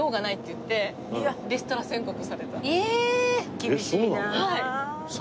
厳しいなあ。